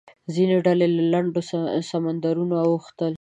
ځینې ډلې له لنډو سمندرونو اوښتل.